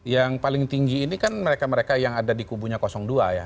yang paling tinggi ini kan mereka mereka yang ada di kubunya dua ya